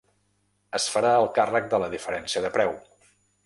Es farà el càrrec de la diferència de preu.